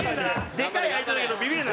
でかい相手だけど、ビビるな。